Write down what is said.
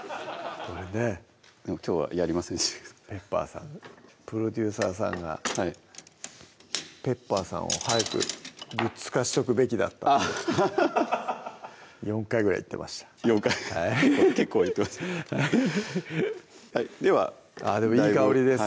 これねきょうはやりませんでしたけどペッパーさんプロデューサーさんがはい「ペッパーさんを早くグッズ化しとくべきだった」って４回ぐらい言ってました４回結構言ってますねではあぁでもいい香りです